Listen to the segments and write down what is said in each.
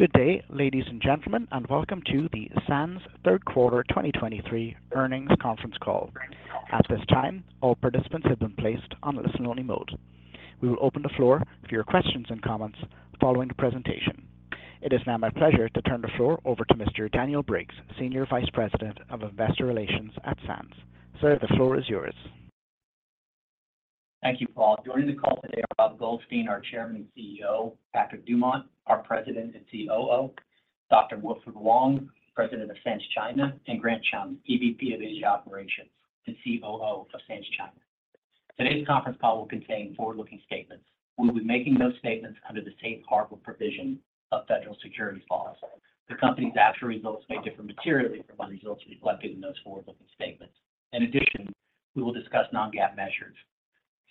Good day, ladies and gentlemen, and welcome to the Sands third quarter 2023 earnings conference call. At this time, all participants have been placed on listen-only mode. We will open the floor for your questions and comments following the presentation. It is now my pleasure to turn the floor over to Mr. Daniel Briggs, Senior Vice President of Investor Relations at Sands. Sir, the floor is yours. Thank you, Paul. Joining the call today are Rob Goldstein, our Chairman and CEO; Patrick Dumont, our President and COO; Dr. Wilfred Wong, President of Sands China; and Grant Chum, EVP of Asia Operations and COO of Sands China. Today's conference call will contain forward-looking statements. We'll be making those statements under the safe harbor provision of federal securities laws. The company's actual results may differ materially from the results reflected in those forward-looking statements. In addition, we will discuss non-GAAP measures.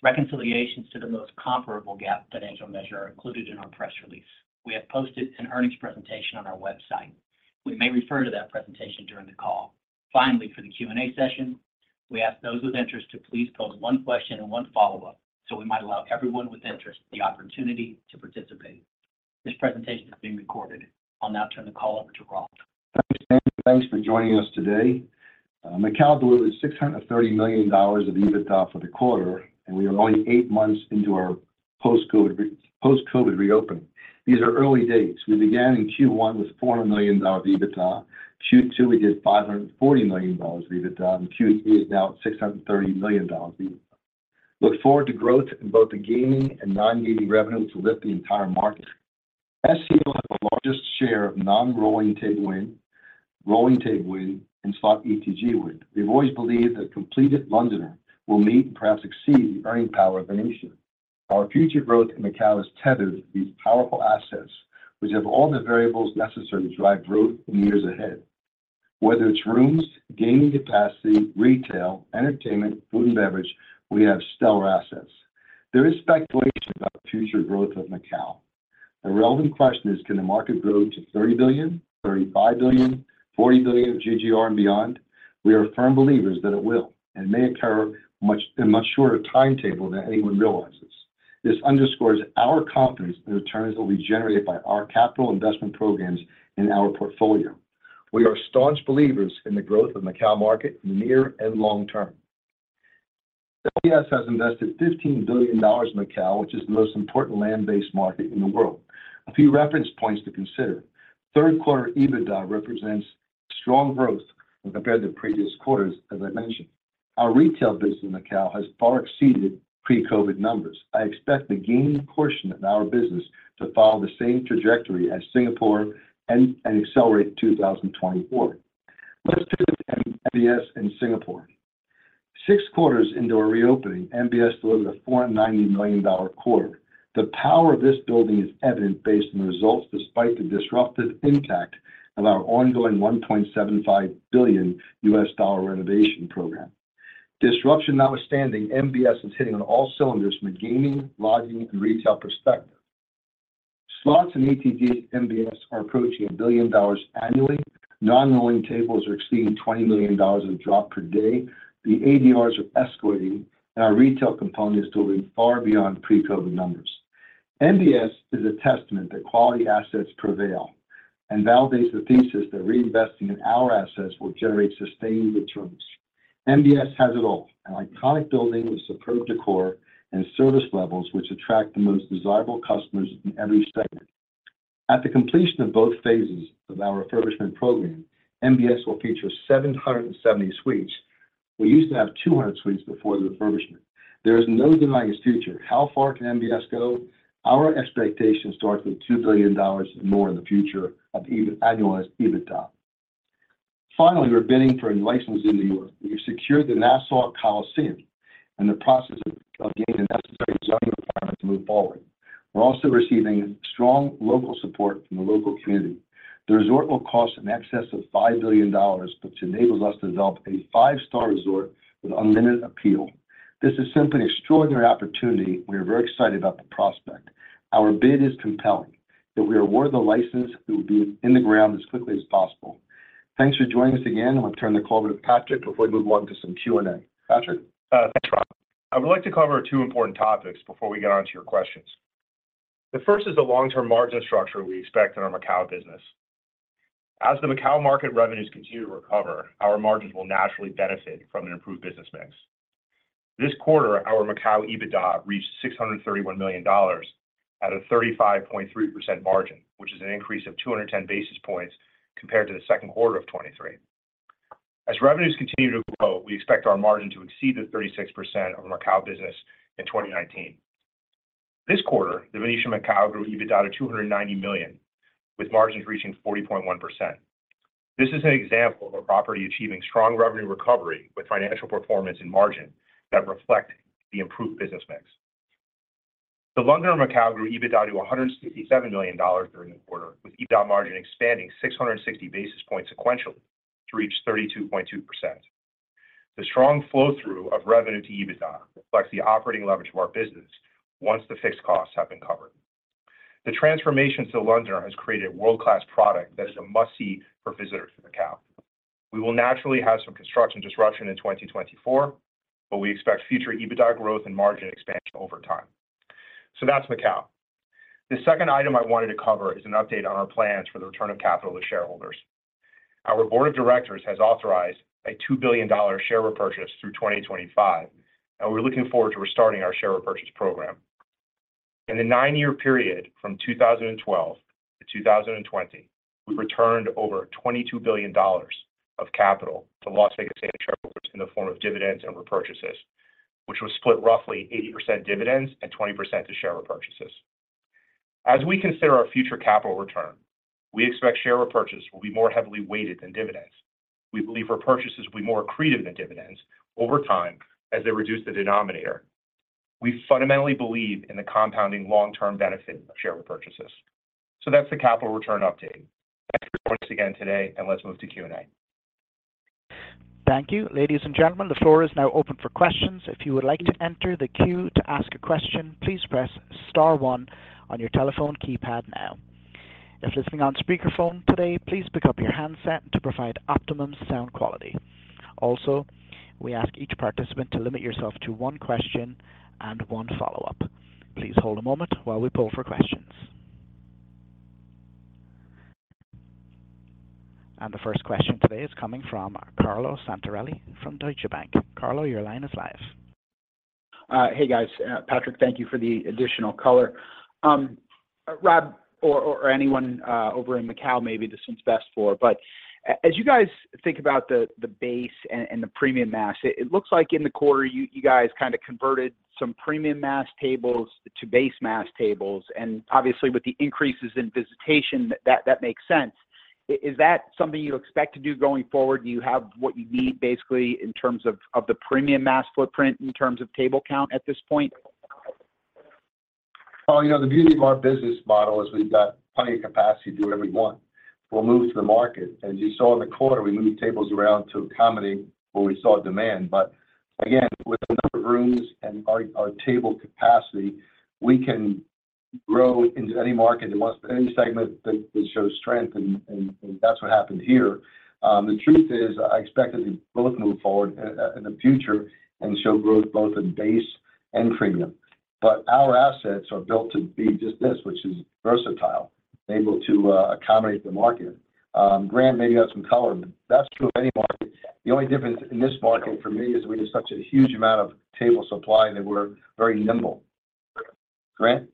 Reconciliations to the most comparable GAAP financial measure are included in our press release. We have posted an earnings presentation on our website. We may refer to that presentation during the call. Finally, for the Q&A session, we ask those with interest to please pose one question and one follow-up, so we might allow everyone with interest the opportunity to participate. This presentation is being recorded. I'll now turn the call over to Rob. Thanks, Dan. Thanks for joining us today. Macao delivered $630 million of EBITDA for the quarter, and we are only eight months into our post-COVID, post-COVID reopening. These are early days. We began in Q1 with $400 million EBITDA. Q2, we did $540 million EBITDA, and Q3 is now at $630 million EBITDA. Look forward to growth in both the gaming and non-gaming revenue to lift the entire market. SCO has the largest share of non-rolling table win, rolling table win, and slot ETG win. We've always believed that completed Londoner will meet and perhaps exceed the earning power of The Venetian. Our future growth in Macao is tethered to these powerful assets, which have all the variables necessary to drive growth in the years ahead. Whether it's rooms, gaming capacity, retail, entertainment, food, and beverage, we have stellar assets. There is speculation about the future growth of Macao. The relevant question is: Can the market grow to $30 billion, $35 billion, $40 billion of GGR and beyond? We are firm believers that it will and may occur much in a much shorter timetable than anyone realizes. This underscores our confidence that returns will be generated by our capital investment programs in our portfolio. We are staunch believers in the growth of Macao market in the near and long term. LVS has invested $15 billion in Macao, which is the most important land-based market in the world. A few reference points to consider. Third quarter EBITDA represents strong growth when compared to the previous quarters, as I mentioned. Our retail business in Macao has far exceeded pre-COVID numbers. I expect the gaming portion of our business to follow the same trajectory as Singapore and accelerate in 2024. Let's turn to MBS in Singapore. Six quarters into a reopening, MBS delivered a $490 million quarter. The power of this building is evident based on the results, despite the disruptive impact of our ongoing $1.75 billion US dollar renovation program. Disruption notwithstanding, MBS is hitting on all cylinders from a gaming, lodging, and retail perspective. Slots and ETG at MBS are approaching $1 billion annually. Non-rolling tables are exceeding $20 million in drop per day. The ADRs are escalating, and our retail component is delivering far beyond pre-COVID numbers. MBS is a testament that quality assets prevail and validates the thesis that reinvesting in our assets will generate sustained returns. MBS has it all: an iconic building with superb decor and service levels, which attract the most desirable customers in every segment. At the completion of both phases of our refurbishment program, MBS will feature 770 suites. We used to have 200 suites before the refurbishment. There is no denying its future. How far can MBS go? Our expectations start with $2 billion and more in the future of annualized EBITDA. Finally, we're bidding for a license in New York. We've secured the Nassau Coliseum in the process of gaining the necessary zoning requirements to move forward. We're also receiving strong local support from the local community. The resort will cost in excess of $5 billion, which enables us to develop a five-star resort with unlimited appeal. This is simply an extraordinary opportunity, and we are very excited about the prospect. Our bid is compelling, that if we are awarded the license, it will be in the ground as quickly as possible. Thanks for joining us again, and we'll turn the call over to Patrick before we move on to some Q&A. Patrick? Thanks, Rob. I would like to cover two important topics before we get on to your questions. The first is the long-term margin structure we expect in our Macao business. As the Macao market revenues continue to recover, our margins will naturally benefit from an improved business mix. This quarter, our Macao EBITDA reached $631 million at a 35.3% margin, which is an increase of 210 basis points compared to the second quarter of 2023. As revenues continue to grow, we expect our margin to exceed the 36% of our Macao business in 2019. This quarter, The Venetian Macao grew EBITDA to $290 million, with margins reaching 40.1%. This is an example of a property achieving strong revenue recovery with financial performance and margin that reflect the improved business mix. The Londoner Macao grew EBITDA to $167 million during the quarter, with EBITDA margin expanding 660 basis points sequentially to reach 32.2%. The strong flow-through of revenue to EBITDA reflects the operating leverage of our business once the fixed costs have been covered. The transformations to The Londoner has created a world-class product that is a must-see for visitors to Macao. We will naturally have some construction disruption in 2024, but we expect future EBITDA growth and margin expansion over time. So that's Macao. The second item I wanted to cover is an update on our plans for the return of capital to shareholders. Our board of directors has authorized a $2 billion share repurchase through 2025, and we're looking forward to restarting our share repurchase program. In the 9-year period from 2012 to 2020, we've returned over $22 billion of capital to Las Vegas Sands shareholders in the form of dividends and repurchases, which was split roughly 80% dividends and 20% to share repurchases. As we consider our future capital return, we expect share repurchase will be more heavily weighted than dividends. We believe repurchases will be more accretive than dividends over time as they reduce the denominator. We fundamentally believe in the compounding long-term benefit of share repurchases. So that's the capital return update. Thank you once again today, and let's move to Q&A. Thank you. Ladies and gentlemen, the floor is now open for questions. If you would like to enter the queue to ask a question, please press star one on your telephone keypad now. If listening on speakerphone today, please pick up your handset to provide optimum sound quality. Also, we ask each participant to limit yourself to one question and one follow-up. Please hold a moment while we poll for questions. The first question today is coming from Carlo Santarelli from Deutsche Bank. Carlo, your line is live. Hey, guys. Patrick, thank you for the additional color. Rob, or anyone over in Macao, maybe this one's best for. But as you guys think about the base mass and the premium mass, it looks like in the quarter, you guys kind of converted some premium mass tables to base mass tables, and obviously with the increases in visitation, that makes sense. Is that something you expect to do going forward? Do you have what you need, basically, in terms of the premium mass footprint, in terms of table count at this point? Oh, you know, the beauty of our business model is we've got plenty of capacity to do whatever we want. We'll move to the market. As you saw in the quarter, we moved tables around to accommodate where we saw demand. But again, with the number of rooms and our table capacity, we can grow into any market that wants any segment that shows strength, and that's what happened here. The truth is, I expect us to both move forward in the future and show growth both in base and premium. But our assets are built to be just this, which is versatile, able to accommodate the market. Grant, maybe you have some color, but that's true of any market. The only difference in this market for me is we have such a huge amount of table supply, and we're very nimble. Grant?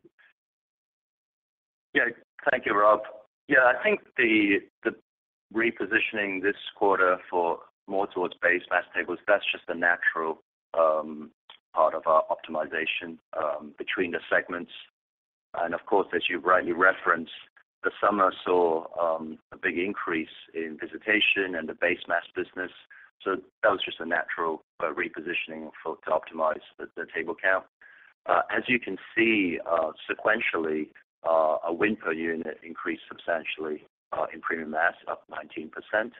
Yeah. Thank you, Rob. Yeah, I think the repositioning this quarter for more towards base mass tables, that's just a natural part of our optimization between the segments. And of course, as you rightly referenced, the summer saw a big increase in visitation and the base mass business, so that was just a natural repositioning to optimize the table count. As you can see, sequentially, a win per unit increased substantially in premium mass, up 19%.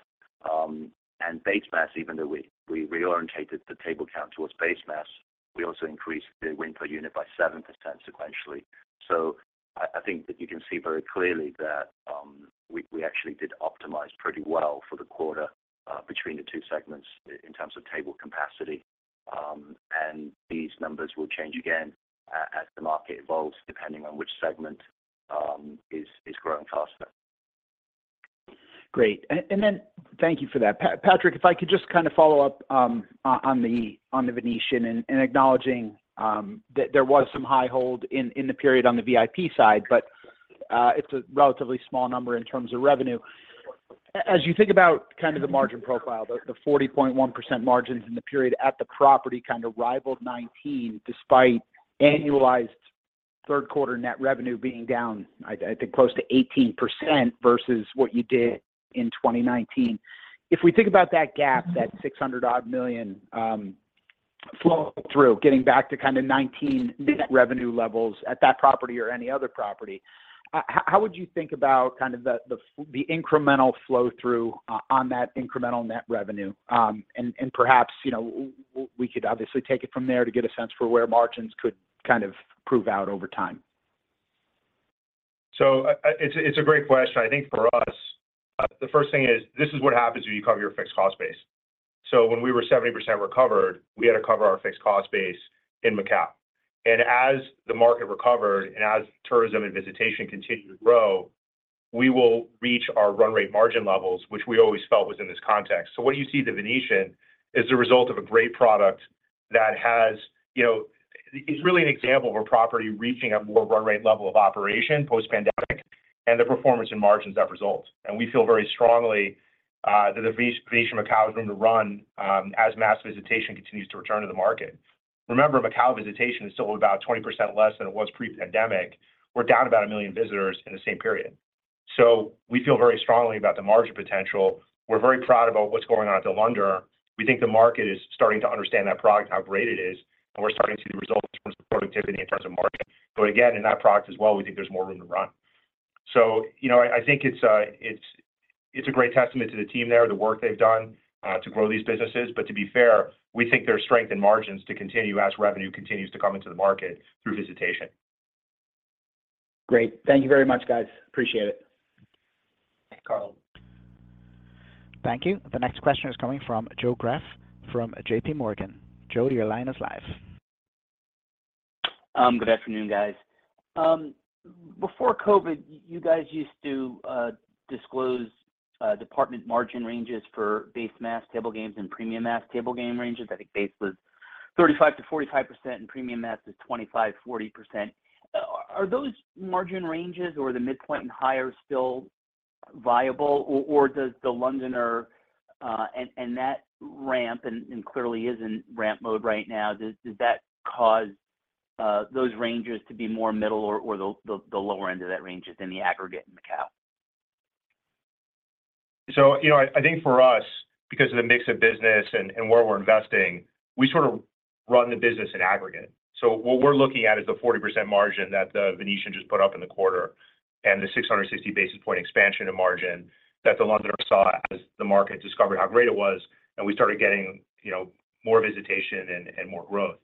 And base mass, even though we reoriented the table count towards base mass, we also increased the win per unit by 7% sequentially. So I think that you can see very clearly that we actually did optimize pretty well for the quarter between the two segments in terms of table capacity. These numbers will change again as the market evolves, depending on which segment is growing faster. Great. And then thank you for that. Patrick, if I could just kind of follow up on the Venetian and acknowledging that there was some high hold in the period on the VIP side, but it's a relatively small number in terms of revenue. As you think about kind of the margin profile, the 40.1% margins in the period at the property kind of rivaled 2019, despite annualized third quarter net revenue being down, I think, close to 18% versus what you did in 2019. If we think about that gap, that $600-odd million flow-through, getting back to kind of 2019 net revenue levels at that property or any other property, how would you think about kind of the incremental flow-through on that incremental net revenue? And perhaps, you know, we could obviously take it from there to get a sense for where margins could kind of prove out over time. So it's a great question. I think for us, the first thing is this is what happens when you cover your fixed cost base. So when we were 70% recovered, we had to cover our fixed cost base in Macao. And as the market recovered and as tourism and visitation continued to grow, we will reach our run rate margin levels, which we always felt was in this context. So what you see at The Venetian is the result of a great product that has, you know, it's really an example of a property reaching a more run rate level of operation post-pandemic, and the performance in margins that result. And we feel very strongly that The Venetian Macao is room to run as mass visitation continues to return to the market. Remember, Macao visitation is still about 20% less than it was pre-pandemic. We're down about 1 million visitors in the same period. So we feel very strongly about the margin potential. We're very proud about what's going on at The Londoner. We think the market is starting to understand that product, how great it is, and we're starting to see the results in terms of productivity, in terms of market. But again, in that product as well, we think there's more room to run. So, you know, I think it's a great testament to the team there, the work they've done to grow these businesses. But to be fair, we think there's strength in margins to continue as revenue continues to come into the market through visitation. Great. Thank you very much, guys. Appreciate it. Hey, Carlo. Thank you. The next question is coming from Joe Greff from JPMorgan. Joe, your line is live. Good afternoon, guys. Before COVID, you guys used to disclose department margin ranges for base mass table games and premium mass table game ranges. I think base mass was 35%-45%, and premium mass was 25%-40%. Are those margin ranges or the midpoint and higher still viable, or does the Londoner and that ramp and clearly is in ramp mode right now, does that cause those ranges to be more middle or the lower end of that range than the aggregate in Macao? So, you know, I think for us, because of the mix of business and where we're investing, we sort of run the business in aggregate. So what we're looking at is the 40% margin that the Venetian just put up in the quarter, and the 660 basis point expansion in margin that the Londoner saw as the market discovered how great it was, and we started getting, you know, more visitation and more growth.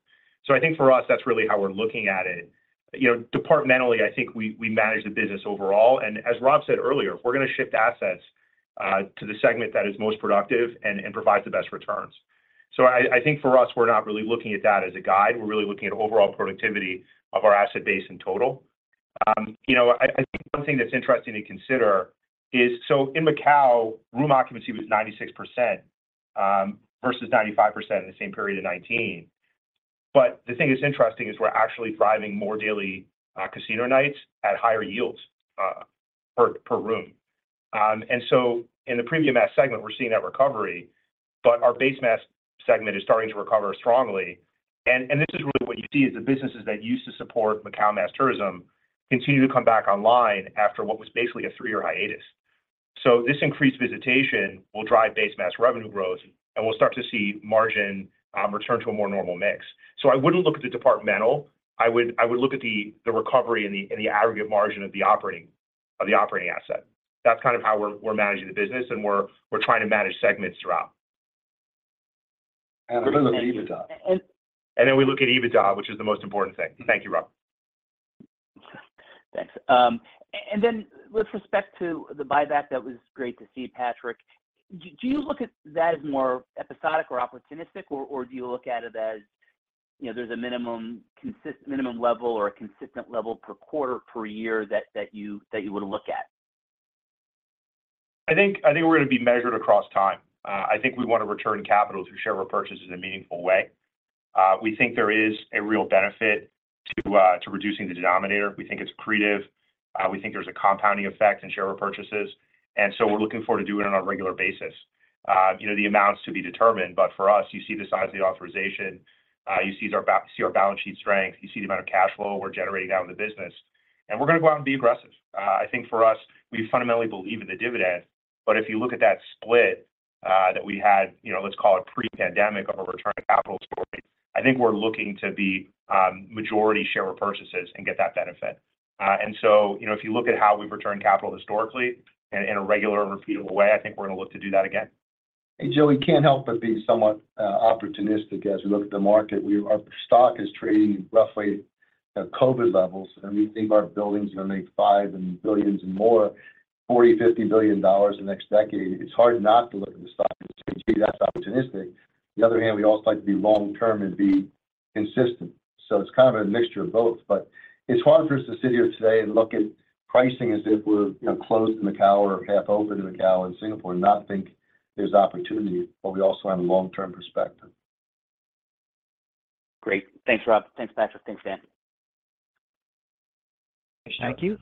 So I think for us, that's really how we're looking at it. You know, departmentally, I think we manage the business overall. And as Rob said earlier, we're going to shift assets to the segment that is most productive and provides the best returns. So I think for us, we're not really looking at that as a guide. We're really looking at overall productivity of our asset base in total. You know, I think one thing that's interesting to consider is, so in Macao, room occupancy was 96%, versus 95% in the same period of 2019. But the thing that's interesting is we're actually driving more daily casino nights at higher yields per room. And so in the premium mass segment, we're seeing that recovery, but our base mass segment is starting to recover strongly. And this is really what you see is the businesses that used to support Macao mass tourism continue to come back online after what was basically a three-year hiatus. So this increased visitation will drive base mass revenue growth, and we'll start to see margin return to a more normal mix. So I wouldn't look at the departmental. I would look at the recovery and the aggregate margin of the operating asset. That's kind of how we're managing the business, and we're trying to manage segments throughout. We look at EBITDA. We look at EBITDA, which is the most important thing. Thank you, Rob. Thanks. And then with respect to the buyback, that was great to see, Patrick. Do you look at that as more episodic or opportunistic, or do you look at it as, you know, there's a minimum level or a consistent level per quarter, per year that you would look at? I think we're going to be measured across time. I think we want to return capital through share repurchases in a meaningful way. We think there is a real benefit to reducing the denominator. We think it's accretive. We think there's a compounding effect in share repurchases, and so we're looking forward to doing it on a regular basis. You know, the amounts to be determined, but for us, you see the size of the authorization, you see our balance sheet strength, you see the amount of cash flow we're generating out in the business, and we're going to go out and be aggressive. I think for us, we fundamentally believe in the dividend, but if you look at that split that we had, you know, let's call it pre-pandemic of a return on capital story, I think we're looking to be majority share repurchases and get that benefit. And so, you know, if you look at how we've returned capital historically and in a regular and repeatable way, I think we're going to look to do that again. Hey, Joe, we can't help but be somewhat opportunistic as we look at the market. Our stock is trading roughly at COVID levels, and we think our buildings are going to make $5 billion and more, $40-$50 billion in the next decade. It's hard not to look at the stock and say, "Gee, that's opportunistic." On the other hand, we also like to be long term and be consistent. So it's kind of a mixture of both, but it's hard for us to sit here today and look at pricing as if we're, you know, closed in Macao or half open in Macao and Singapore and not think there's opportunity, but we also have a long-term perspective. Great. Thanks, Rob. Thanks, Patrick. Thanks, Dan. Thank you.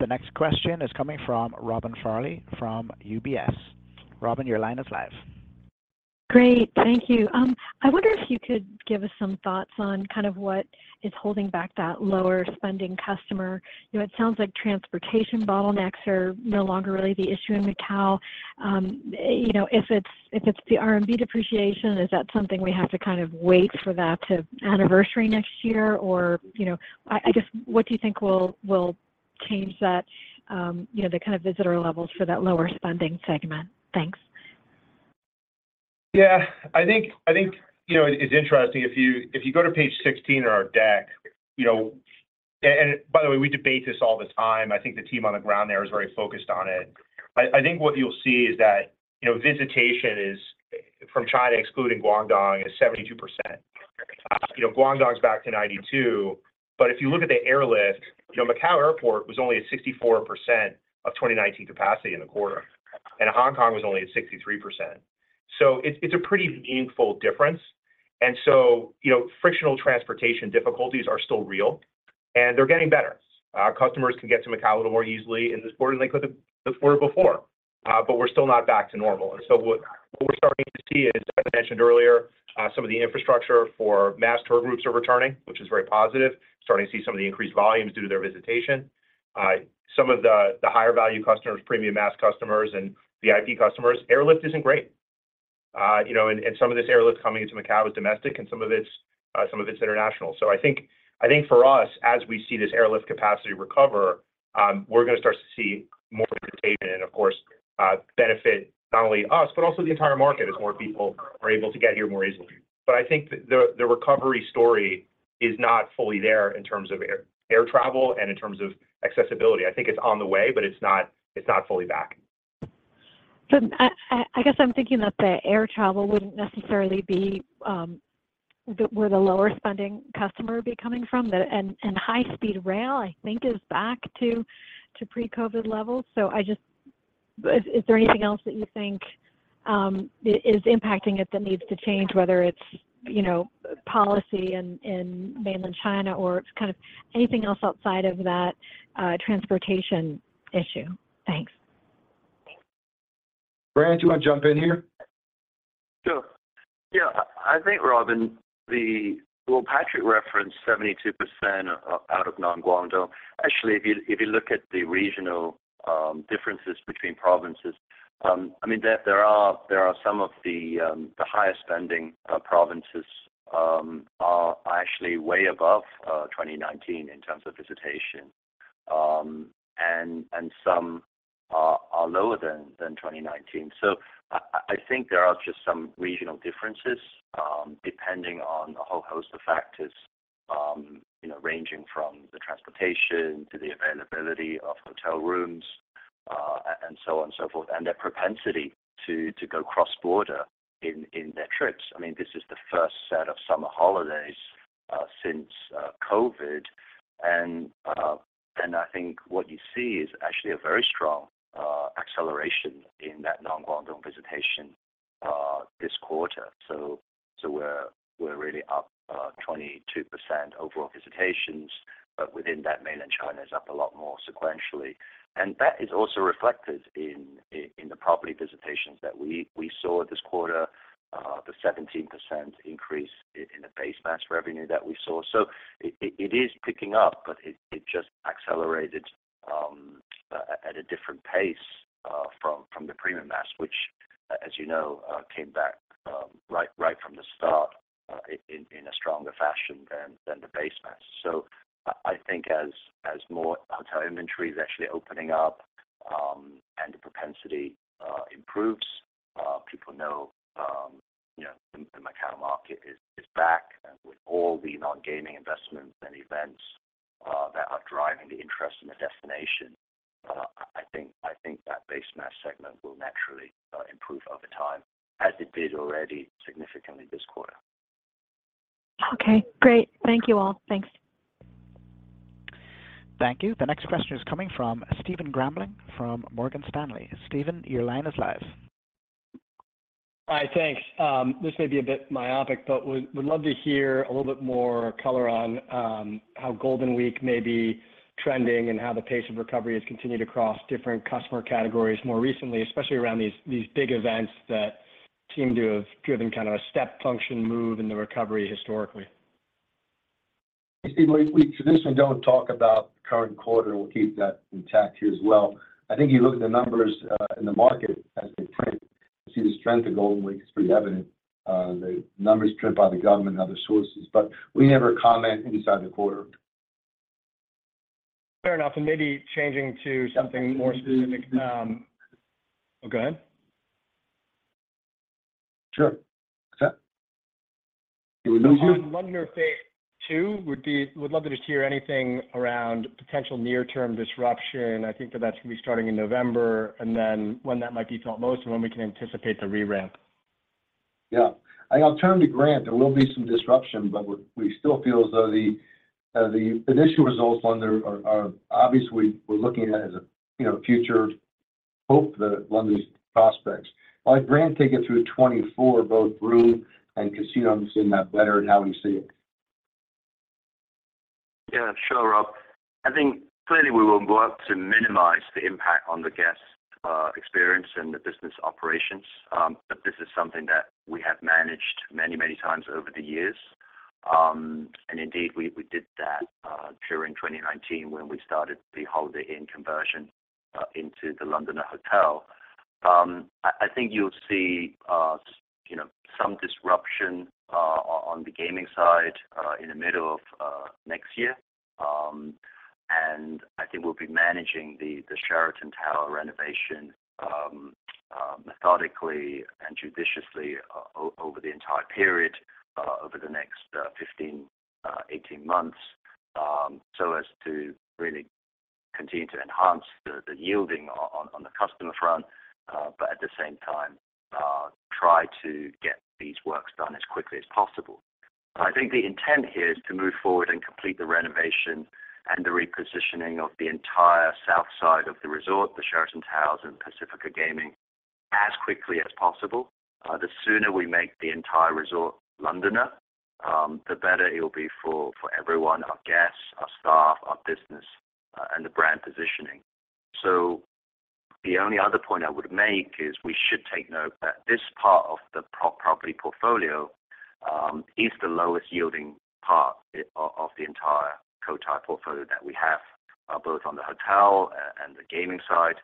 The next question is coming from Robin Farley from UBS. Robin, your line is live. Great. Thank you. I wonder if you could give us some thoughts on kind of what is holding back that lower-spending customer. You know, it sounds like transportation bottlenecks are no longer really the issue in Macao. You know, if it's the RMB depreciation, is that something we have to kind of wait for that to anniversary next year? Or, you know, I just-- What do you think will change that, you know, the kind of visitor levels for that lower-spending segment? Thanks. Yeah, I think, I think, you know, it's interesting. If you, if you go to page 16 in our deck, you know... and by the way, we debate this all the time. I think the team on the ground there is very focused on it. I, I think what you'll see is that, you know, visitation is from China, excluding Guangdong, is 72%. You know, Guangdong is back to 92%, but if you look at the airlift, you know, Macao Airport was only at 64% of 2019 capacity in the quarter, and Hong Kong was only at 63%. So it's, it's a pretty meaningful difference. And so, you know, frictional transportation difficulties are still real, and they're getting better. Our customers can get to Macao a little more easily in this quarter than they could the quarter before, but we're still not back to normal. And so what we're starting to see is, as I mentioned earlier, some of the infrastructure for mass tour groups are returning, which is very positive. Starting to see some of the increased volumes due to their visitation. Some of the higher value customers, premium mass customers and VIP customers, airlift isn't great. You know, and some of this airlift coming into Macao is domestic, and some of it's some of it's international. So I think for us, as we see this airlift capacity recover-... we're going to start to see more visitation and, of course, benefit not only us, but also the entire market as more people are able to get here more easily. But I think the recovery story is not fully there in terms of air travel and in terms of accessibility. I think it's on the way, but it's not fully back. So I guess I'm thinking that the air travel wouldn't necessarily be where the lower spending customer would be coming from. And high-speed rail, I think, is back to pre-COVID levels. So I just - is there anything else that you think is impacting it that needs to change, whether it's, you know, policy in mainland China or kind of anything else outside of that transportation issue? Thanks. Grant, do you want to jump in here? Sure. Yeah, I think, Robyn, well, Patrick referenced 72% out of non-Guangdong. Actually, if you look at the regional differences between provinces, I mean, there are some of the highest spending provinces are actually way above 2019 in terms of visitation. And some are lower than 2019. So I think there are just some regional differences depending on a whole host of factors, you know, ranging from the transportation to the availability of hotel rooms, and so on and so forth, and their propensity to go cross-border in their trips. I mean, this is the first set of summer holidays since COVID, and I think what you see is actually a very strong acceleration in that non-Guangdong visitation this quarter. So we're really up 22% overall visitations, but within that, mainland China is up a lot more sequentially. And that is also reflected in the property visitations that we saw this quarter, the 17% increase in the base mass revenue that we saw. So it is picking up, but it just accelerated at a different pace from the premium mass, which, as you know, came back right from the start in a stronger fashion than the base mass. So I think as more hotel inventory is actually opening up, and the propensity improves, people know, you know, the Macao market is back. And with all the non-gaming investments and events that are driving the interest in the destination, I think that base mass segment will naturally improve over time, as it did already significantly this quarter. Okay, great. Thank you, all. Thanks. Thank you. The next question is coming from Stephen Grambling from Morgan Stanley. Stephen, your line is live. Hi, thanks. This may be a bit myopic, but would love to hear a little bit more color on how Golden Week may be trending and how the pace of recovery has continued across different customer categories more recently, especially around these big events that seem to have given kind of a step function move in the recovery historically. Hey, Steve, we traditionally don't talk about the current quarter. We'll keep that intact here as well. I think you look at the numbers in the market as they print, you see the strength of Golden Week is pretty evident, the numbers printed by the government and other sources, but we never comment inside the quarter. Fair enough, and maybe changing to something more specific. Okay I wonder if they, too, would love to just hear anything around potential near-term disruption. I think that that's going to be starting in November, and then when that might be felt most and when we can anticipate the re-ramp. Yeah. I'll turn to Grant. There will be some disruption, but we, we still feel as though the the initial results on there are obviously we're looking at as a, you know, future hope that Londoner's prospects. All right, Grant, take it through 24, both room and casino, obviously, not better and how we see it. Yeah, sure, Rob. I think clearly we will go out to minimize the impact on the guest experience and the business operations. But this is something that we have managed many, many times over the years. And indeed, we did that during 2019 when we started the Holiday Inn conversion into The Londoner Hotel. I think you'll see, you know, some disruption on the gaming side in the middle of next year. And I think we'll be managing the Sheraton Tower renovation methodically and judiciously over the entire period over the next 15-18 months, so as to really continue to enhance the yielding on the customer front, but at the same time try to get these works done as quickly as possible. I think the intent here is to move forward and complete the renovation and the repositioning of the entire south side of the resort, the Sheraton Towers and Pacifica Gaming, as quickly as possible. The sooner we make the entire resort Londoner, the better it'll be for, for everyone, our guests, our staff, our business, and the brand positioning. So the only other point I would make is we should take note that this part of the property portfolio is the lowest yielding part of the entire Cotai portfolio that we have, both on the hotel and the gaming side.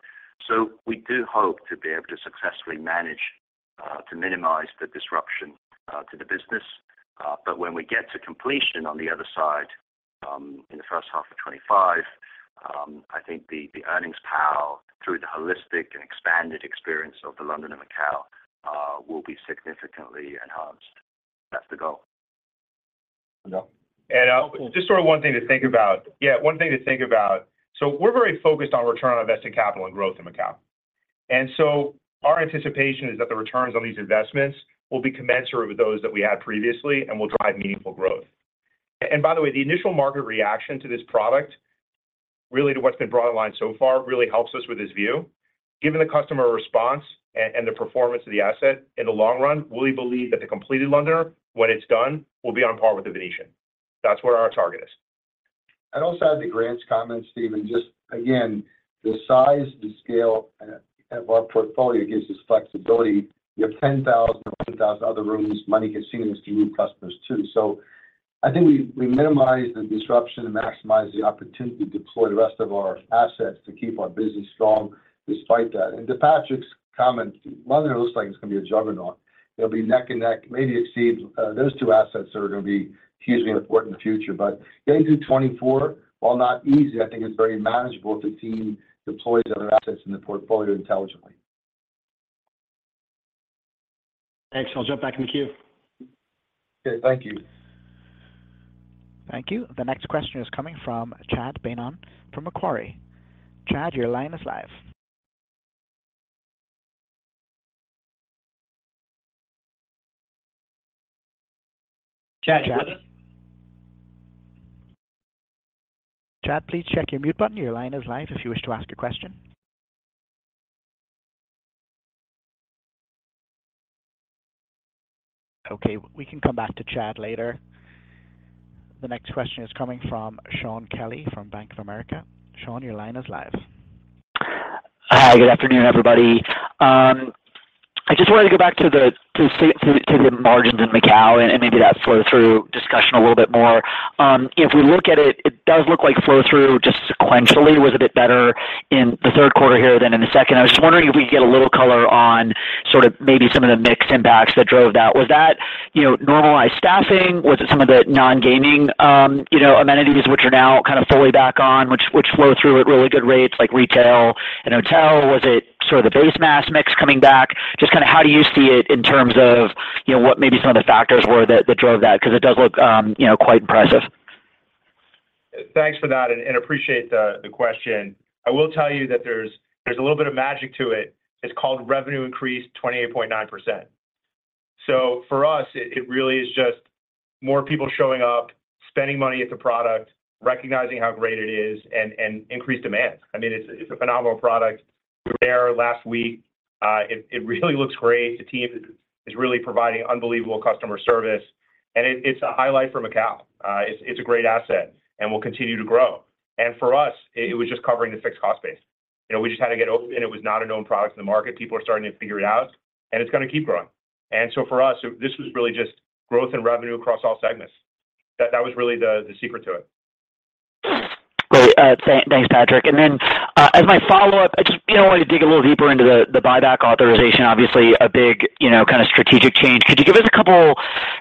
So we do hope to be able to successfully manage to minimize the disruption to the business. But when we get to completion on the other side, in the first half of 2025, I think the earnings power through the holistic and expanded experience of The Londoner Macao will be significantly enhanced. That's the goal. Just sort of one thing to think about. Yeah, one thing to think about: so we're very focused on return on invested capital and growth in Macao. And so our anticipation is that the returns on these investments will be commensurate with those that we had previously and will drive meaningful growth. And by the way, the initial market reaction to this product, really to what's been brought online so far, really helps us with this view. Given the customer response and the performance of the asset in the long run, we believe that the completed Londoner, when it's done, will be on par with the Venetian. That's where our target is. I'd also add to Grant's comments, Stephen, just again, the size, the scale, of our portfolio gives us flexibility. We have 10,000-15,000 other rooms, money, casinos to move customers to. So I think we minimize the disruption and maximize the opportunity to deploy the rest of our assets to keep our business strong despite that. And to Patrick's comment, London looks like it's going to be a juggernaut. They'll be neck and neck, maybe exceed, those two assets that are going to be hugely important in the future. But getting through 2024, while not easy, I think it's very manageable if the team deploys other assets in the portfolio intelligently. Thanks. I'll jump back in the queue. Okay, thank you. Thank you. The next question is coming from Chad Beynon from Macquarie. Chad, your line is live. Chad, are you with us? Chad, please check your mute button. Your line is live if you wish to ask a question. Okay, we can come back to Chad later. The next question is coming from Shaun Kelley from Bank of America. Shaun, your line is live. Hi, good afternoon, everybody. I just wanted to go back to the margins in Macao and maybe that flow-through discussion a little bit more. If we look at it, it does look like flow-through, just sequentially, was a bit better in the third quarter here than in the second. I was just wondering if we could get a little color on sort of maybe some of the mix impacts that drove that. Was that, you know, normalized staffing? Was it some of the non-gaming, you know, amenities which are now kind of fully back on, which flow through at really good rates, like retail and hotel? Was it sort of the base mass mix coming back? Just kind of how do you see it in terms of, you know, what maybe some of the factors were that drove that? Because it does look, you know, quite impressive. Thanks for that, and appreciate the question. I will tell you that there's a little bit of magic to it. It's called revenue increase, 28.9%. So for us, it really is just more people showing up, spending money at the product, recognizing how great it is, and increased demand. I mean, it's a phenomenal product. We were there last week. It really looks great. The team is really providing unbelievable customer service, and it's a highlight for Macao. It's a great asset and will continue to grow. For us, it was just covering the fixed cost base. You know, we just had to get open, and it was not a known product in the market. People are starting to figure it out, and it's going to keep growing. And so for us, this was really just growth in revenue across all segments. That was really the secret to it. Great. Thanks, Patrick. And then, as my follow-up, I just, you know, wanted to dig a little deeper into the buyback authorization. Obviously, a big, you know, kind of strategic change. Could you give us a couple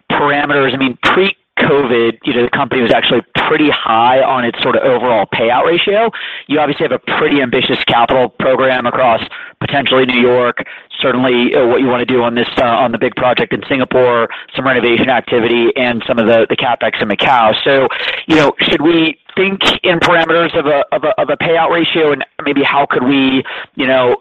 parameters? I mean, pre-COVID, you know, the company was actually pretty high on its sort of overall payout ratio. You obviously have a pretty ambitious capital program across potentially New York, certainly what you want to do on the big project in Singapore, some renovation activity and some of the CapEx in Macao. So, you know, should we think in parameters of a payout ratio? And maybe how could we, you know,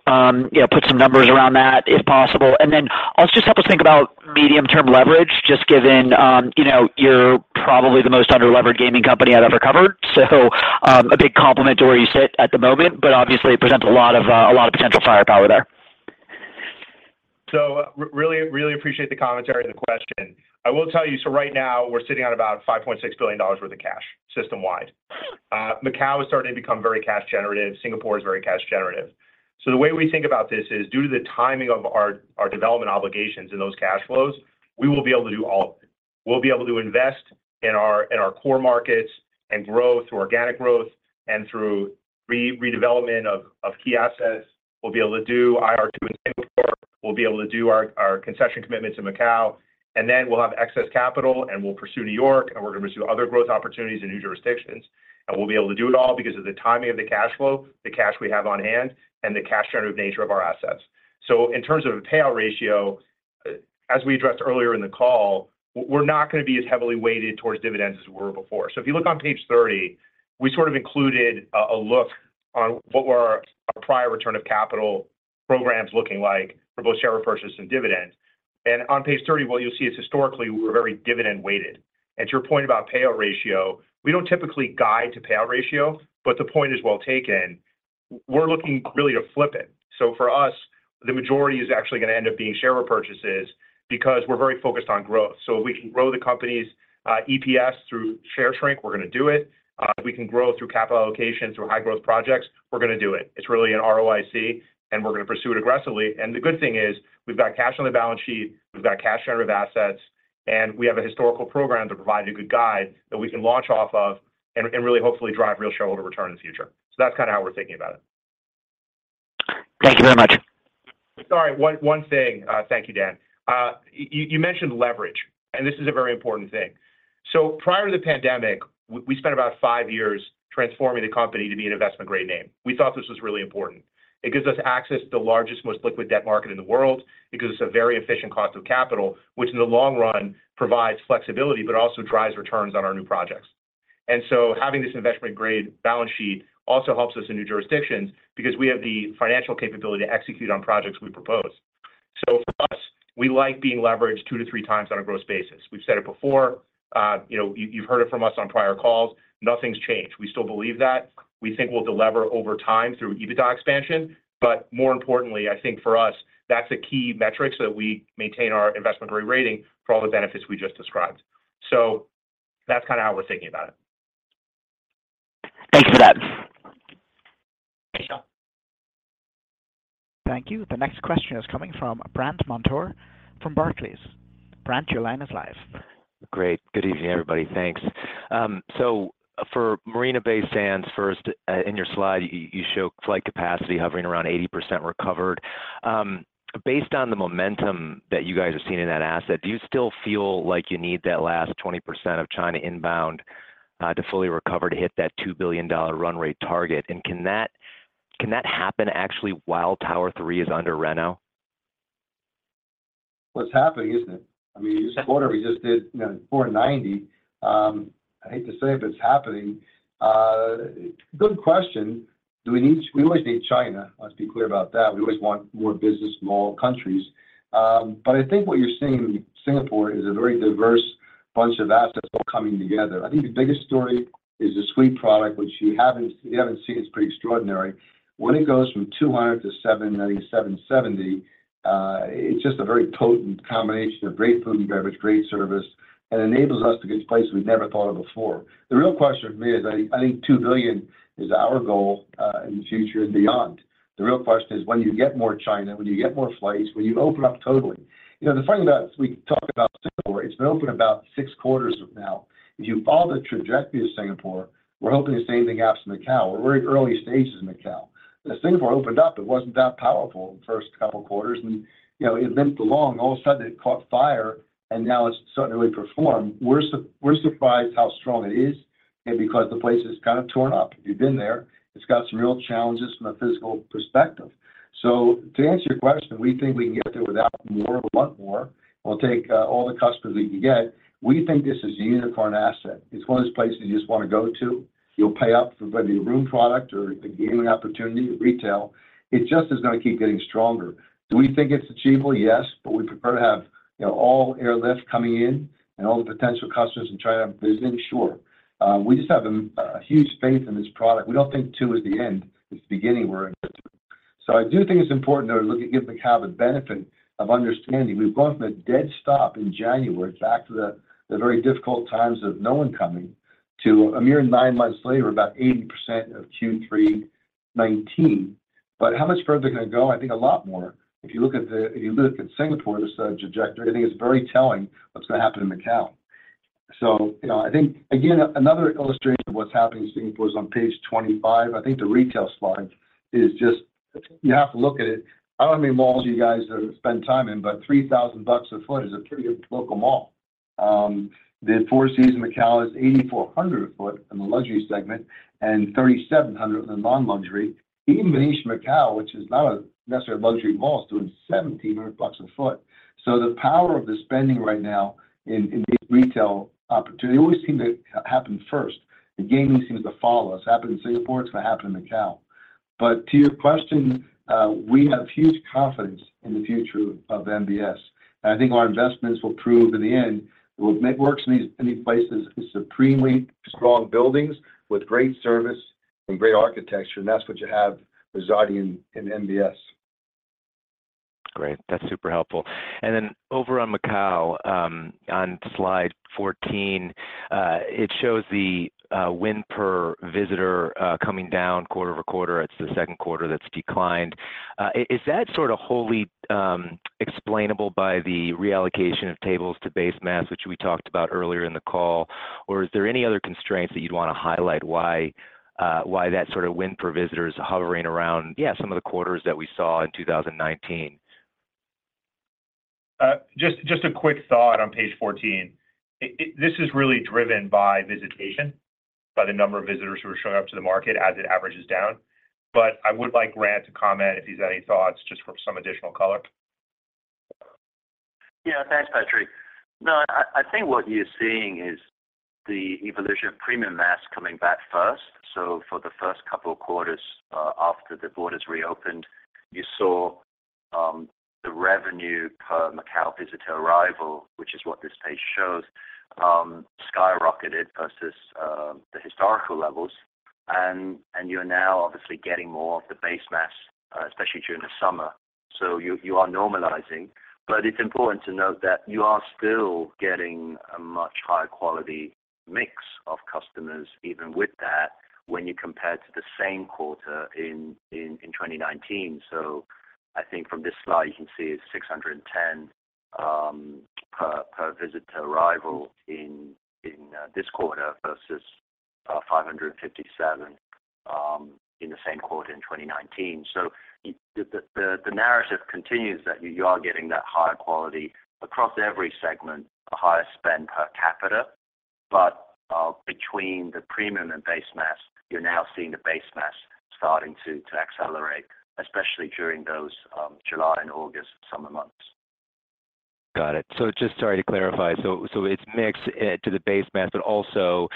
put some numbers around that if possible. And then also just help us think about medium-term leverage, just given, you know, you're probably the most underleveraged gaming company I've ever covered. So, a big compliment to where you sit at the moment, but obviously, it presents a lot of, a lot of potential firepower there. So really, really appreciate the commentary and the question. I will tell you, so right now, we're sitting at about $5.6 billion worth of cash system-wide. Macao is starting to become very cash generative. Singapore is very cash generative. So the way we think about this is due to the timing of our, our development obligations and those cash flows, we will be able to do all of it. We'll be able to invest in our, in our core markets and grow through organic growth and through redevelopment of key assets. We'll be able to do, We'll be able to do our, our concession commitments in Macao, and then we'll have excess capital, and we'll pursue New York, and we're going to pursue other growth opportunities in new jurisdictions. We'll be able to do it all because of the timing of the cash flow, the cash we have on hand, and the cash generative nature of our assets. So in terms of the payout ratio, as we addressed earlier in the call, we're not going to be as heavily weighted towards dividends as we were before. So if you look on page 30, we sort of included a look on what were our prior return of capital programs looking like for both share repurchases and dividends. On page 30, what you'll see is historically, we're very dividend-weighted. And to your point about payout ratio, we don't typically guide to payout ratio, but the point is well taken. We're looking really to flip it. So for us, the majority is actually going to end up being share repurchases because we're very focused on growth. So if we can grow the company's EPS through share shrink, we're going to do it. If we can grow through capital allocation, through high-growth projects, we're going to do it. It's really an ROIC, and we're going to pursue it aggressively. The good thing is, we've got cash on the balance sheet, we've got cash generative assets, and we have a historical program to provide a good guide that we can launch off of and really hopefully drive real shareholder return in the future. So that's kind of how we're thinking about it. Thank you very much. Sorry, one thing. Thank you, Dan. You mentioned leverage, and this is a very important thing. Prior to the pandemic, we spent about five years transforming the company to be an investment-grade name. We thought this was really important. It gives us access to the largest, most liquid debt market in the world. It gives us a very efficient cost of capital, which in the long run, provides flexibility, but also drives returns on our new projects. Having this investment-grade balance sheet also helps us in new jurisdictions because we have the financial capability to execute on projects we propose. For us, we like being leveraged two to three times on a gross basis. We've said it before, you know, you've heard it from us on prior calls. Nothing's changed. We still believe that. We think we'll delever over time through EBITDA expansion, but more importantly, I think for us, that's a key metric, so that we maintain our investment-grade rating for all the benefits we just described. So that's kind of how we're thinking about it. Thanks for that. Thank you. The next question is coming from Brandt Montour from Barclays. Brandt, your line is live. Great. Good evening, everybody. Thanks. So for Marina Bay Sands, first, in your slide, you show flight capacity hovering around 80% recovered. Based on the momentum that you guys have seen in that asset, do you still feel like you need that last 20% of China inbound to fully recover to hit that $2 billion run rate target? And can that happen actually while Tower 3 is under reno? Well, it's happening, isn't it? I mean, this quarter, we just did, you know, $490 million. I hate to say it, but it's happening. Good question. Do we need... We always need China. Let's be clear about that. We always want more business from all countries. But I think what you're seeing in Singapore is a very diverse bunch of assets all coming together. I think the biggest story is the suite product, which you haven't seen. It's pretty extraordinary. When it goes from $200 to $790, $770, it's just a very potent combination of great food and beverage, great service, and enables us to get to places we never thought of before. The real question for me is, I think $2 billion is our goal in the future and beyond. The real question is when you get more China, when you get more flights, when you open up totally. You know, the thing about—we can talk about Singapore, it's been open about six quarters now. If you follow the trajectory of Singapore, we're hoping the same thing happens in Macao. We're in early stages in Macao. As Singapore opened up, it wasn't that powerful in the first couple of quarters, and, you know, it limped along. All of a sudden, it caught fire, and now it's suddenly performed. We're surprised how strong it is and because the place is kind of torn up. If you've been there, it's got some real challenges from a physical perspective. So to answer your question, we think we can get there without more, but want more. We'll take all the customers that you can get. We think this is a unicorn asset. It's one of those places you just want to go to. You'll pay up for whether your room product or the gaming opportunity, or retail, it just is going to keep getting stronger. Do we think it's achievable? Yes, but we prefer to have, you know, all airlift coming in and all the potential customers in China visiting? Sure. We just have a huge faith in this product. We don't think two is the end. It's the beginning we're in. So I do think it's important, though, to give Macao the benefit of understanding. We've gone from a dead stop in January, back to the very difficult times of no one coming, to a mere nine months later, about 80% of Q3 2019. But how much further can I go? I think a lot more. If you look at Singapore, this trajectory, I think it's very telling what's going to happen in Macao. So, you know, I think, again, another illustration of what's happening in Singapore is on page 25. I think the retail slide is just... You have to look at it. I don't know how many malls you guys have spent time in, but $3,000 a foot is a pretty good local mall. The Four Seasons Macao is $8,400 a foot in the luxury segment, and $3,700 in the non-luxury. Even Venetian Macao, which is not necessarily a luxury mall, is doing $1,700 a foot. So the power of the spending right now in these retail opportunities, they always seem to happen first. The gaming seems to follow us. It happened in Singapore, it's going to happen in Macao. But to your question, we have huge confidence in the future of MBS, and I think our investments will prove in the end. We'll make works in these, in these places, in supremely strong buildings with great service and great architecture, and that's what you have residing in MBS. Great. That's super helpful. And then over on Macao, on slide 14, it shows the win per visitor coming down quarter-over-quarter. It's the second quarter that's declined. Is that sort of wholly explainable by the reallocation of tables to base mass, which we talked about earlier in the call? Or is there any other constraints that you'd want to highlight why why that sort of win per visitor is hovering around, yeah, some of the quarters that we saw in 2019? Just, just a quick thought on page 14. It - this is really driven by visitation, by the number of visitors who are showing up to the market as it averages down. But I would like Grant to comment if he's any thoughts, just for some additional color. Yeah. Thanks, Patrick. No, I think what you're seeing is the evolution of premium mass coming back first. So for the first couple of quarters after the borders reopened, you saw the revenue per Macao visitor arrival, which is what this page shows, skyrocketed versus the historical levels. And you're now obviously getting more of the base mass, especially during the summer. So you are normalizing, but it's important to note that you are still getting a much higher quality mix of customers, even with that, when you compare to the same quarter in 2019. So I think from this slide, you can see it's $610 per visitor arrival in this quarter versus $557 in the same quarter in 2019. So the narrative continues that you are getting that higher quality across every segment, a higher spend per capita. But between the premium mass and base mass, you're now seeing the base mass starting to accelerate, especially during those July and August summer months. Got it. So just sorry to clarify. So, it's mixed to the base mass, but also,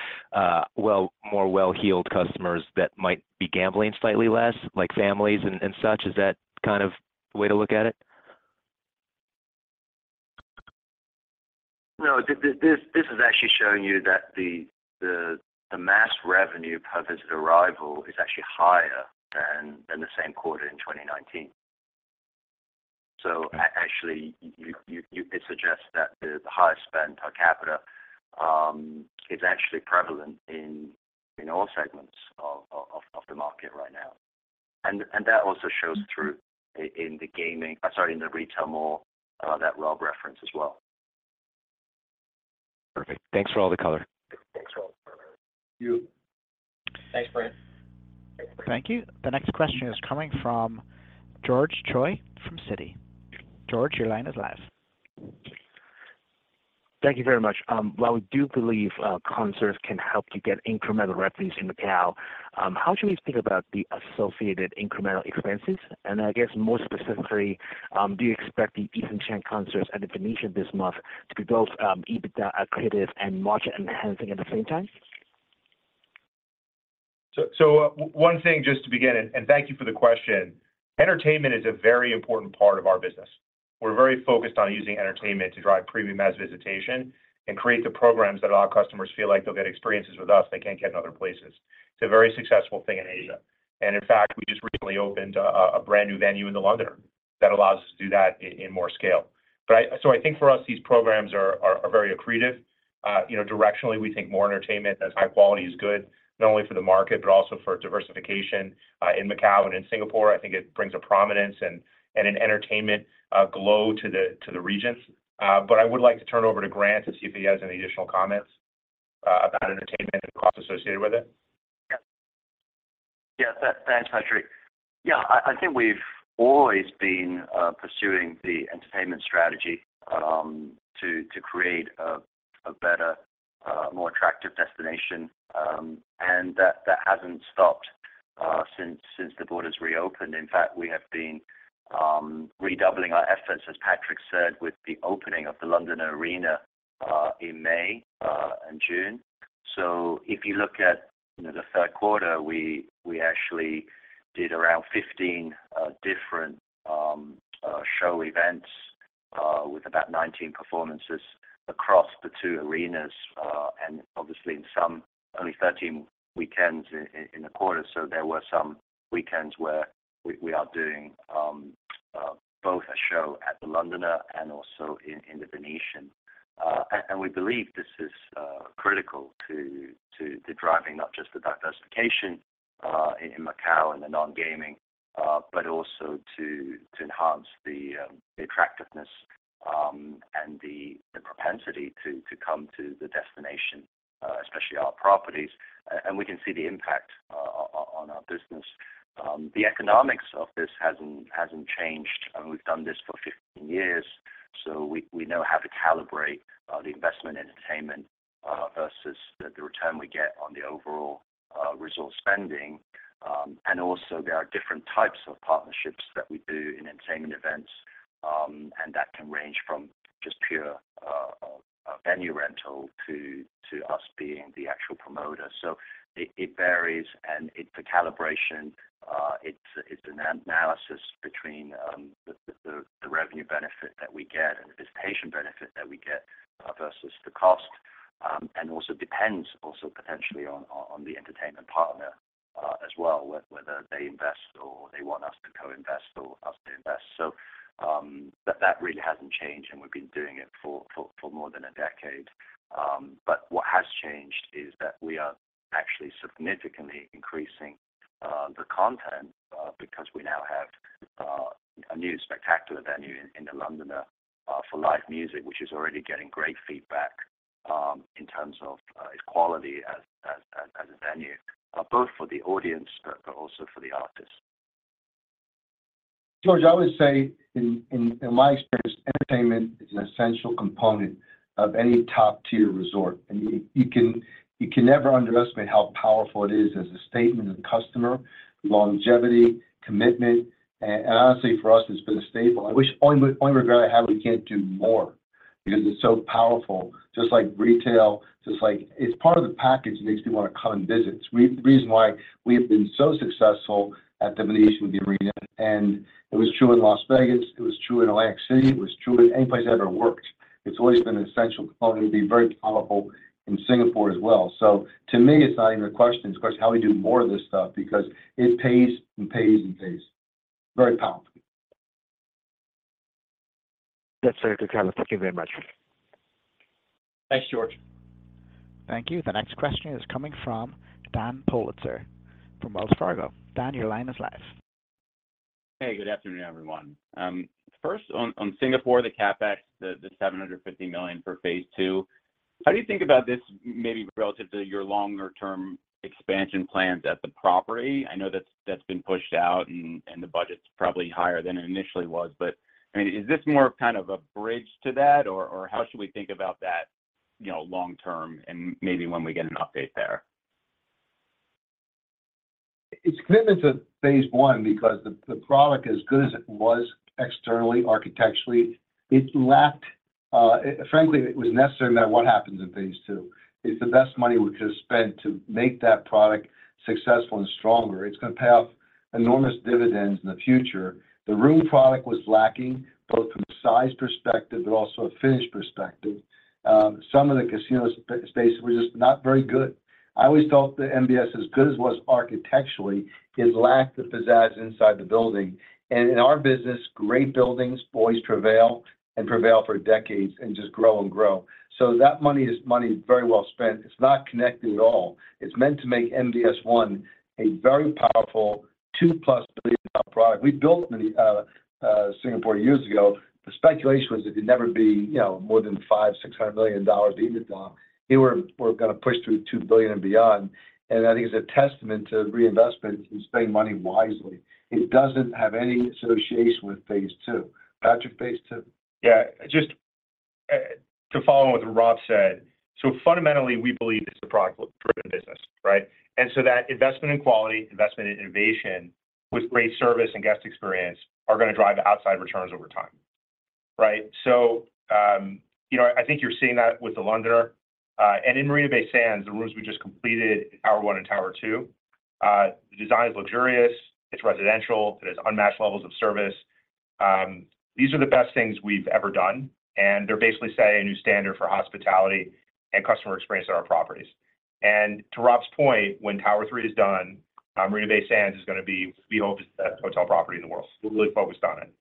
well, more well-heeled customers that might be gambling slightly less, like families and such. Is that kind of the way to look at it? No, this is actually showing you that the mass revenue per visitor arrival is actually higher than the same quarter in 2019. So actually, it suggests that the higher spend per capita is actually prevalent in all segments of the market right now. And that also shows through in the gaming, sorry, in the retail mall that Rob referenced as well. Perfect. Thanks for all the color. Thanks, Rob. You. Thanks, Brandt. Thank you. The next question is coming from George Choi from Citi. George, your line is live. Thank you very much. While we do believe concerts can help you get incremental revenues in Macao, how should we think about the associated incremental expenses? I guess more specifically, do you expect the Eason Chan concerts at the Venetian this month to be both EBITDA accretive and margin-enhancing at the same time? So, one thing just to begin, and thank you for the question. Entertainment is a very important part of our business. We're very focused on using entertainment to drive premium mass visitation and create the programs that allow customers to feel like they'll get experiences with us they can't get in other places. It's a very successful thing in Asia, and in fact, we just recently opened a brand-new venue in The Londoner that allows us to do that in more scale. So I think for us, these programs are very accretive. You know, directionally, we think more entertainment as high quality is good, not only for the market, but also for diversification in Macao and in Singapore. I think it brings a prominence and an entertainment glow to the region. I would like to turn over to Grant to see if he has any additional comments about entertainment and costs associated with it. Yeah. Yeah, thanks, Patrick. Yeah, I think we've always been pursuing the entertainment strategy to create a better, more attractive destination, and that hasn't stopped since the borders reopened. In fact, we have been redoubling our efforts, as Patrick said, with the opening of the Londoner Arena in May and June. So if you look at, you know, the third quarter, we actually did around 15 different show events with about 19 performances across the two arenas, and obviously in some only 13 weekends in the quarter. So there were some weekends where we are doing both a show at The Londoner and also in The Venetian. And we believe this is critical to driving not just the diversification in Macao and the non-gaming, but also to enhance the attractiveness and the propensity to come to the destination, especially our properties. And we can see the impact on our business. The economics of this hasn't changed, and we've done this for 15 years, so we know how to calibrate the investment in entertainment versus the return we get on the overall resort spending. And also there are different types of partnerships that we do in entertainment events, and that can range from just pure venue rental to us being the actual promoter. So it varies, and it... The calibration, it's an analysis between the revenue benefit that we get and the visitation benefit that we get versus the cost. Also depends potentially on the entertainment partner as well, whether they invest or they want us to co-invest or us to invest. But that really hasn't changed, and we've been doing it for more than a decade. But what has changed is that we are actually significantly increasing the content because we now have a new spectacular venue in The Londoner for live music, which is already getting great feedback in terms of its quality as a venue both for the audience but also for the artists. George, I would say in my experience, entertainment is an essential component of any top-tier resort. And you can never underestimate how powerful it is as a statement of customer longevity, commitment, and honestly, for us, it's been a staple. The only regret I have, we can't do more because it's so powerful, just like retail, just like it's part of the package that makes people want to come and visit. It's the reason why we have been so successful at the Venetian with the Arena, and it was true in Las Vegas, it was true in Atlantic City, it was true in any place I ever worked. It's always been an essential component. It will be very powerful in Singapore as well. To me, it's not even a question, it's a question of how we do more of this stuff because it pays and pays and pays. Very powerful. That's very good color. Thank you very much.... Thanks, George. Thank you. The next question is coming from Dan Politzer from Wells Fargo. Dan, your line is live. Hey, good afternoon, everyone. First on Singapore, the CapEx, the $750 million for phase two, how do you think about this maybe relative to your longer-term expansion plans at the property? I know that's been pushed out and the budget's probably higher than it initially was. But, I mean, is this more of kind of a bridge to that, or how should we think about that, you know, long term and maybe when we get an update there? It's commitment to phase one because the product, as good as it was externally, architecturally, it lacked, frankly, it was necessary that what happened in phase two. It's the best money we could have spent to make that product successful and stronger. It's going to pay off enormous dividends in the future. The room product was lacking, both from a size perspective, but also a finish perspective. Some of the casino space was just not very good. I always felt that MBS, as good as it was architecturally, it lacked the inside the building. And in our business, great buildings always prevail and prevail for decades and just grow and grow. So that money is money very well spent. It's not connected at all. It's meant to make MBS One a very powerful $2+ billion product. We built the Singapore years ago. The speculation was it would never be, you know, more than $500-$600 million in EBITDA. We're going to push through $2 billion and beyond, and I think it's a testament to reinvestment and spending money wisely. It doesn't have any association with phase two. Patrick, phase two? Yeah, just, to follow on what Rob said, so fundamentally, we believe it's a product-driven business, right? And so that investment in quality, investment in innovation, with great service and guest experience, are going to drive outside returns over time, right? So, you know, I think you're seeing that with The Londoner, and in Marina Bay Sands, the rooms we just completed, Tower 1 and Tower 2, the design is luxurious, it's residential, it has unmatched levels of service. These are the best things we've ever done, and they're basically setting a new standard for hospitality and customer experience at our properties. And to Rob's point, when Tower 3 is done, Marina Bay Sands is going to be the oldest best hotel property in the world. We're really focused on it.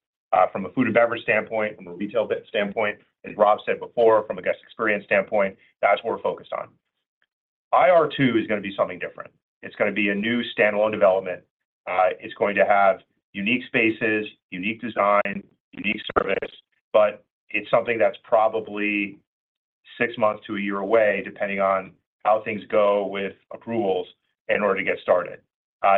From a food and beverage standpoint, from a retail standpoint, as Rob said before, from a guest experience standpoint, that's what we're focused on. Tower 2 is going to be something different. It's going to be a new standalone development. It's going to have unique spaces, unique design, unique service, but it's something that's probably six months to a year away, depending on how things go with approvals in order to get started.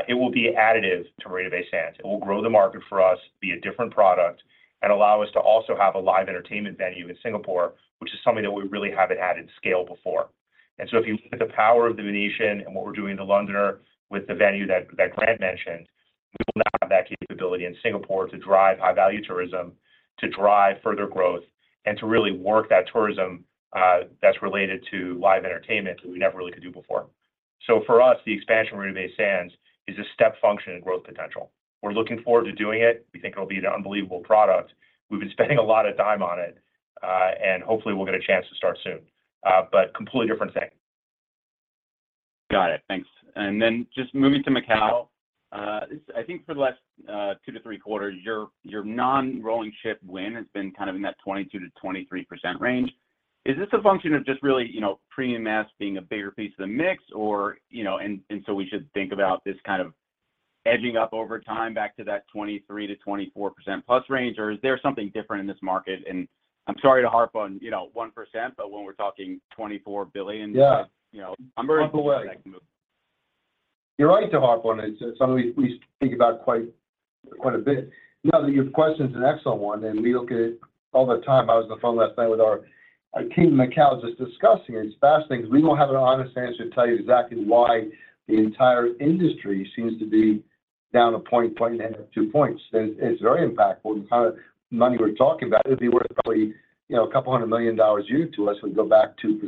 It will be additive to Marina Bay Sands. It will grow the market for us, be a different product, and allow us to also have a live entertainment venue in Singapore, which is something that we really haven't had at scale before. If you look at the power of the Venetian and what we're doing in The Londoner with the venue that Grant mentioned, we will now have that capability in Singapore to drive high-value tourism, to drive further growth, and to really work that tourism that's related to live entertainment that we never really could do before. So for us, the expansion of Marina Bay Sands is a step function in growth potential. We're looking forward to doing it. We think it'll be an unbelievable product. We've been spending a lot of time on it, and hopefully, we'll get a chance to start soon. But completely different thing. Got it. Thanks. And then just moving to Macao, I think for the last 2-3 quarters, your non-rolling chip win has been kind of in that 22%-23% range. Is this a function of just really, you know, premium mass being a bigger piece of the mix or, you know, and so we should think about this kind of edging up over time back to that 23%-24%+ range, or is there something different in this market? And I'm sorry to harp on, you know, 1%, but when we're talking $24 billion- Yeah. You know, I'm very- You're right to harp on it. It's something we think about quite a bit. Now, your question is an excellent one, and we look at it all the time. I was on the phone last night with our team in Macao, just discussing it. It's fascinating because we don't have an honest answer to tell you exactly why the entire industry seems to be down 1 point, 1.5 points, 2 points. And it's very impactful. The kind of money we're talking about, it'd be worth probably, you know, $200 million a year to us if we go back 2%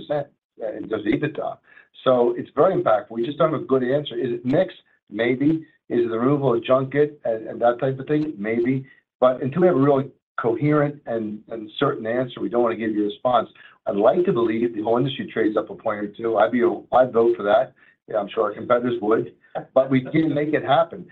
in just EBITDA. So it's very impactful. We just don't have a good answer. Is it mix? Maybe. Is it the removal of junket and that type of thing? Maybe. But until we have a really coherent and certain answer, we don't want to give you a response. I'd like to believe the whole industry trades up a point or two. I'd be... I'd vote for that. I'm sure our competitors would, but we can't make it happen.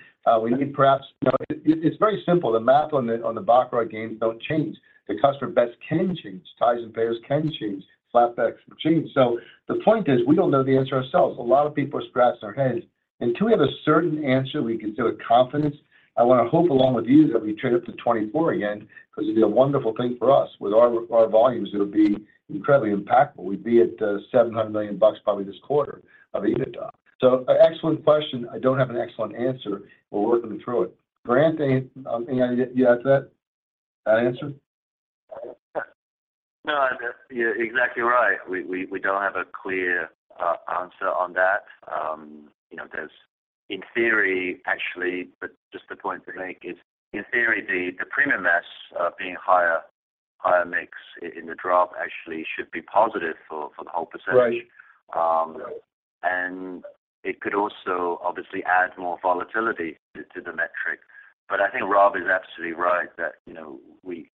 We need perhaps. But it, it's very simple. The math on the baccarat games don't change. The customer bets can change. Ties and pairs can change. Flat backs can change. So the point is, we don't know the answer ourselves. A lot of people are scratching their heads. Until we have a certain answer, we can say with confidence, I want to hope along with you that we trade up to 24 again, because it'd be a wonderful thing for us. With our volumes, it would be incredibly impactful. We'd be at $700 million probably this quarter of EBITDA. So an excellent question. I don't have an excellent answer. We're working through it. Grant, anything you add to that answer? No, you're exactly right. We don't have a clear answer on that. You know, there's, in theory, actually, but just the point to make is, in theory, the premium mass being higher mix in the drop actually should be positive for the whole percentage. Right. And it could also obviously add more volatility to the metric. But I think Rob is absolutely right that, you know, we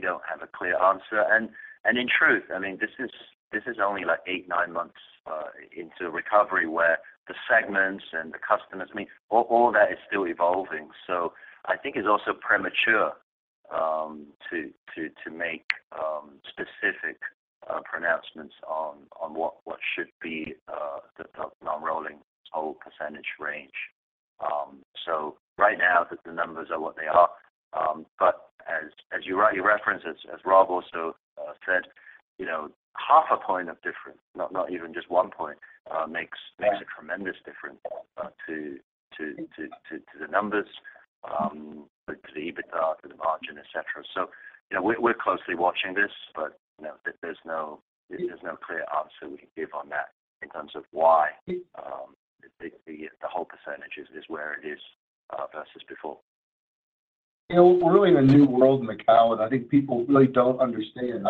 don't have a clear answer. And in truth, I mean, this is only like 8-9 months into recovery, where the segments and the customers, I mean, all that is still evolving. So I think it's also premature to make specific pronouncements on what should be the non-rolling hold percentage range. So right now, the numbers are what they are. But as you referenced, as Rob also said, you know, 0.5 point of difference, not even just 1 point, makes- Yeah... makes a tremendous difference to the numbers, to the EBITDA, to the margin, et cetera. So, you know, we're closely watching this, but, you know, there's no clear answer we can give on that in terms of why the whole percentage is where it is versus before. You know, we're really in a new world in Macao, and I think people really don't understand.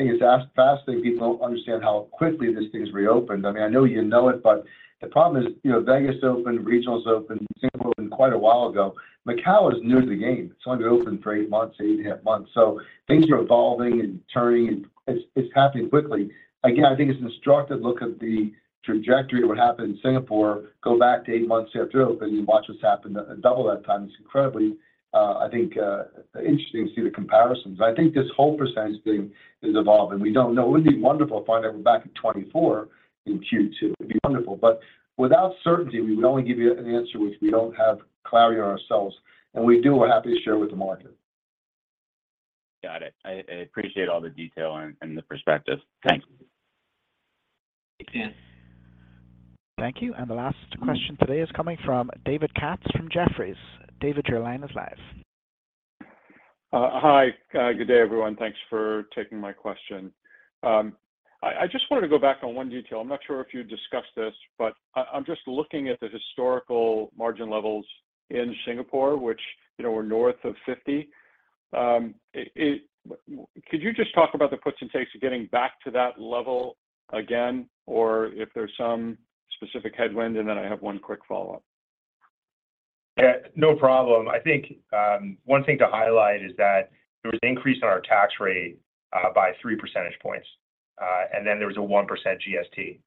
I, I think it's as fascinating people don't understand how quickly this thing's reopened. I mean, I know you know it, but the problem is, you know, Vegas opened, regionals opened, Singapore opened quite a while ago. Macao is new to the game. It's only been open for eight months, eight and a half months, so things are evolving and turning, and it's, it's happening quickly. Again, I think it's an instructive look at the trajectory of what happened in Singapore. Go back to eight months after it opened and you watch what's happened at double that time. It's incredibly, I think, interesting to see the comparisons. I think this whole percentage thing is evolving. We don't know. It would be wonderful to find out we're back at 24 in Q2. It'd be wonderful, but without certainty, we would only give you an answer which we don't have clarity on ourselves, and we do. We're happy to share with the market. Got it. I appreciate all the detail and the perspective. Thanks. Thanks, Dan. Thank you. The last question today is coming from David Katz from Jefferies. David, your line is live. Hi. Good day, everyone. Thanks for taking my question. I just wanted to go back on one detail. I'm not sure if you discussed this, but I'm just looking at the historical margin levels in Singapore, which, you know, were north of 50. Could you just talk about the puts and takes of getting back to that level again, or if there's some specific headwind? And then I have one quick follow-up. Yeah, no problem. I think one thing to highlight is that there was an increase in our tax rate by 3 percentage points, and then there was a 1% GST.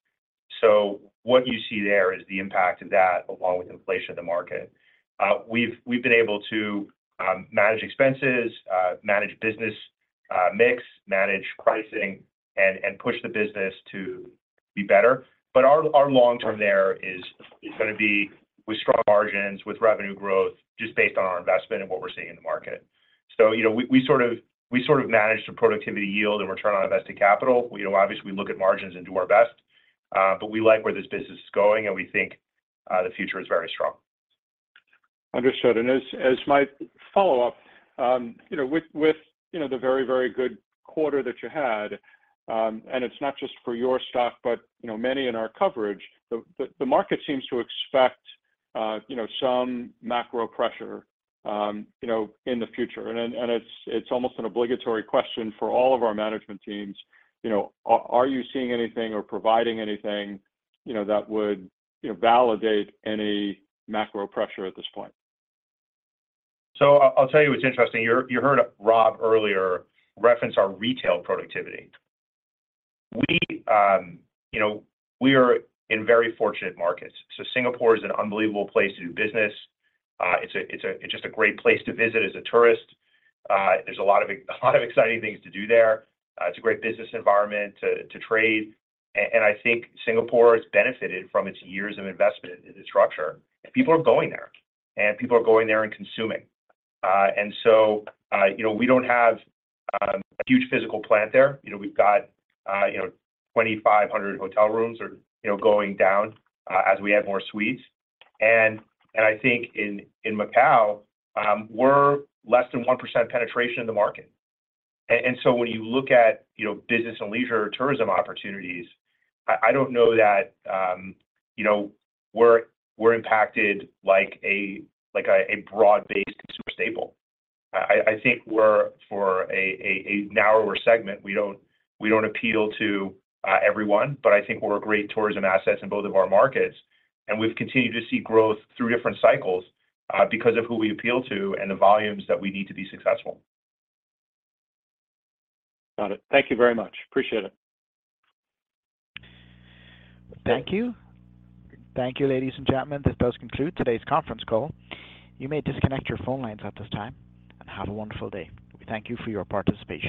So what you see there is the impact of that, along with inflation in the market. We've been able to manage expenses, manage business mix, manage pricing, and push the business to be better. But our long term there is. It's gonna be with strong margins, with revenue growth, just based on our investment and what we're seeing in the market. So, you know, we sort of manage the productivity yield and return on invested capital. You know, obviously, we look at margins and do our best, but we like where this business is going, and we think the future is very strong. Understood. As my follow-up, you know, with the very, very good quarter that you had, and it's not just for your stock, but you know, many in our coverage, the market seems to expect you know, some macro pressure you know, in the future. And it's almost an obligatory question for all of our management teams, you know. Are you seeing anything or providing anything, you know, that would you know, validate any macro pressure at this point? So I'll tell you what's interesting. You heard Rob earlier reference our retail productivity. We, you know, we are in very fortunate markets. So Singapore is an unbelievable place to do business. It's just a great place to visit as a tourist. There's a lot of exciting things to do there. It's a great business environment to trade, and I think Singapore has benefited from its years of investment in the structure. And people are going there, and people are going there and consuming. And so, you know, we don't have a huge physical plant there. You know, we've got, you know, 2,500 hotel rooms or, you know, going down, as we add more suites. I think in Macao, we're less than 1% penetration in the market. And so when you look at, you know, business and leisure tourism opportunities, I don't know that, you know, we're impacted like a broad-based consumer staple. I think we're for a narrower segment. We don't appeal to everyone, but I think we're a great tourism asset in both of our markets, and we've continued to see growth through different cycles, because of who we appeal to and the volumes that we need to be successful. Got it. Thank you very much. Appreciate it. Thank you. Thank you, ladies and gentlemen. This does conclude today's conference call. You may disconnect your phone lines at this time, and have a wonderful day. We thank you for your participation.